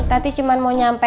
tadi cuma mau nyampul